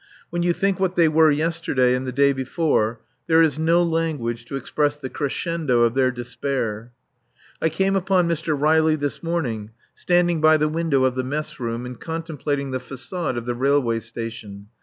When you think what they were yesterday and the day before, there is no language to express the crescendo of their despair. I came upon Mr. Riley this morning, standing by the window of the mess room, and contemplating the façade of the railway station.